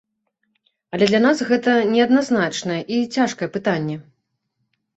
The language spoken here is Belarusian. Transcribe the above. Але для нас гэта неадназначнае і цяжкае пытанне.